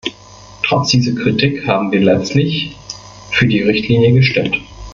Trotz dieser Kritik haben wir letztlich für die Richtlinie gestimmt.